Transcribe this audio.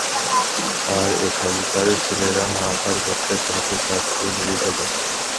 আর এখানকার ছেলেরা হাহাকার করতে থাকে চাকরি নেই বলে।